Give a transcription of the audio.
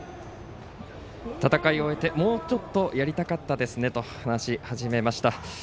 戦いを終えて、もうちょっとやりたかったですねと話し始めました。